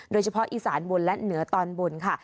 โดยเฉพาะอีสานบนและเหนือตอนบนค่ะ